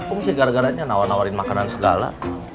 aku mesti gara garanya nawarin makanan segala